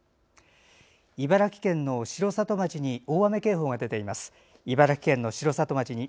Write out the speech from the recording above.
茨城県の城里町に大雨警報が出ています。